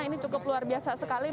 ini cukup luar biasa sekali